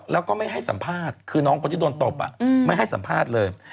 แล้วก็ไม่ให้สัมภาษณ์คือน้องคนที่โดนตบไม่ให้สัมภาษณ์เลย